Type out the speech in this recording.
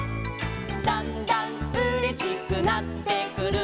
「だんだんうれしくなってくる」